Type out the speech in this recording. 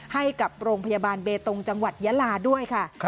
ให้กับโรงพยาบาลเบตงจังหวัดยาลาด้วยค่ะ